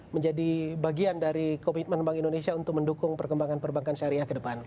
menjadi bagian dari komitmen bank indonesia untuk mendukung perkembangan perbankan syariah ke depan